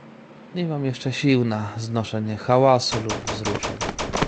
"Nie mam jeszcze sił na znoszenie hałasu lub wzruszeń."